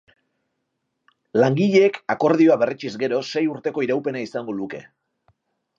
Langileek akordioa berretsiz gero, sei urteko iraupena izango luke.